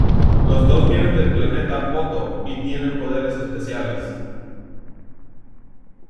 Los dos vienen del planeta Otto y tienen poderes especiales.